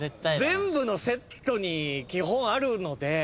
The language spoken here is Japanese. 全部のセットに基本あるので。